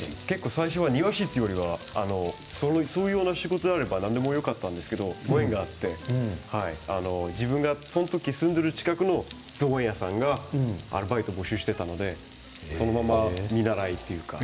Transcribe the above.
最初は庭師というよりはそのような仕事であれば何でもよかったんですがご縁があって、自分が住んでいる近くの造園屋さんがアルバイトを募集していたのでそのまま見習いで。